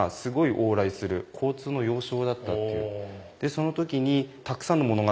その時にたくさんの物語が。